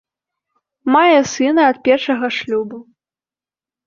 Мае сына ад першага шлюбу.